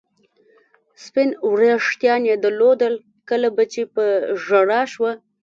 سپین وریښتان یې درلودل، کله به چې په ژړا شوه.